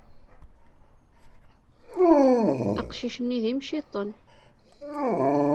Aqcic-nni d imciṭṭen.